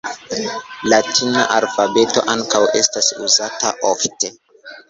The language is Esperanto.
Latina alfabeto ankaŭ estas uzata ofte.